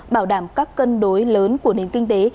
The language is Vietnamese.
bảo đảm các cân đối lớn của nền kinh tế